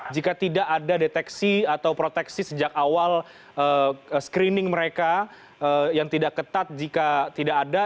jika tidak ada deteksi atau proteksi sejak awal screening mereka yang tidak ketat jika tidak ada